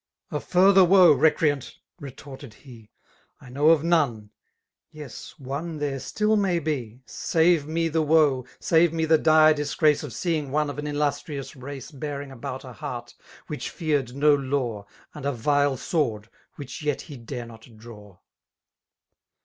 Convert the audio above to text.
'*•* A further woe, recreant," retorted he :I know of none : yes, one there still may be :^* Save me the woe, save me the dire disgrace *' Of seeing one of an illustrious race << Bearing about a heart, which feared no law, *' And a vile sword, which yet he dare not draw.'